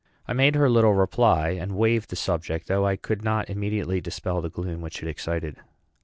I made her little reply, and waved the subject, though I could not immediately dispel the gloom which it excited.